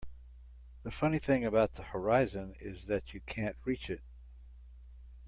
The funny thing about the horizon is that you can't reach it.